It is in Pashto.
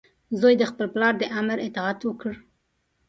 زوی د خپل پلار د امر اطاعت وکړ.